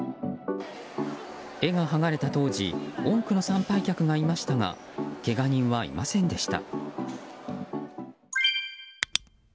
絵が剥がれた当時多くの参拝客がいましたがけが人はいませんでした。